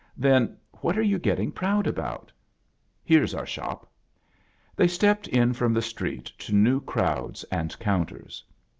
Then, what are you getting proud about ? Here's our shop." They stepped in from the street to new crowds and counters.